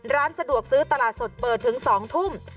ร้านสะดวกซื้อตลาดสดเปิดถึง๒ทุ่ม